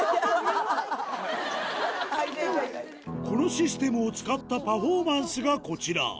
このシステムを使ったパフォーマンスがこちら